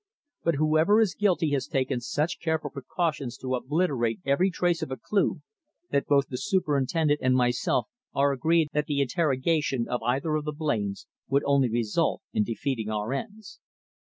But whoever is guilty has taken such careful precautions to obliterate every trace of a clue that both the superintendent and myself are agreed that the interrogation of either of the Blains would only result in defeating our ends."